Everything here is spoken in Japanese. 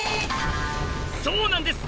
そうなんです！